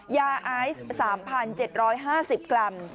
ยาไอซ์๓๗๕๐กรัม